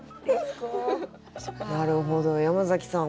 なるほど山崎さん